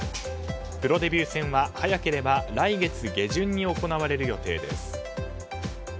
プロデビュー戦は早ければ来月下旬に行われる予定です。